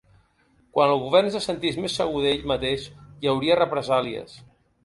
Quan el Govern se sentís més segur d'ell mateix hi hauria represàlies